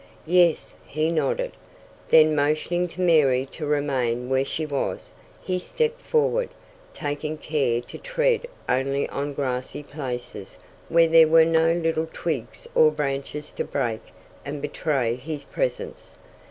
"Yes," he nodded. Then, motioning to Mary to remain where she was, he stepped forward, taking care to tread only on grassy places where there were no little twigs or branches to break and betray his presence.